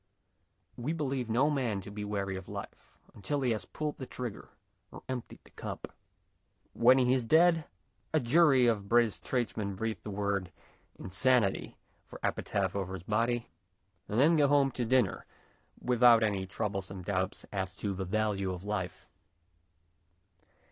We believe no man to be weary of life until he has pulled the trigger or emptied the cup. When he is dead a jury of British tradesmen breathe the word " insanity " for epitaph over his body, and then go home to dinner without any troublesome doubts as to the value of life.